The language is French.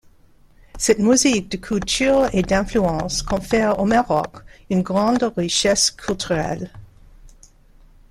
Cette mosaïque de cultures et d'influences confère au Maroc une grande richesse culturelle.